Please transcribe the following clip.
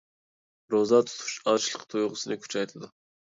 روزا تۇتۇش ئاچلىق تۇيغۇسىنى كۈچەيتىدۇ.